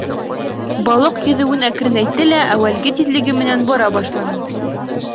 Балыҡ йөҙәүен әкренәйтте лә әүәлге тиҙлеге менән бара башланы.